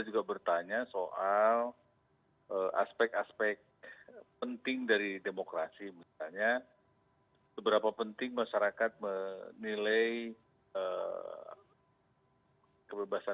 dengan demokrasi di amerika